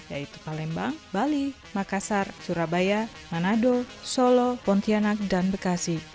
yaitu palembang bali makassar surabaya manado solo pontianak dan bekasi